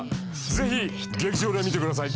ぜひ劇場で観てください。